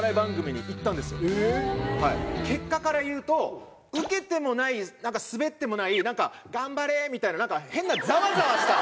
結果から言うとウケてもないスベってもない頑張れ！みたいなザワザワした。